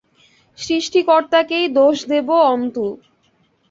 সৃষ্টিকর্তাকেই দোষ দেব অন্তু।